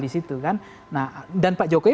di situ kan nah dan pak jokowi